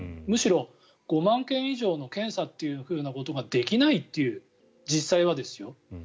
むしろ５万件以上の検査ということができないという実際はですよ。